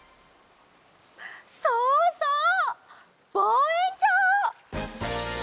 そうそうぼうえんきょう！